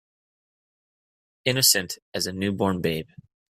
Innocent as a new born babe.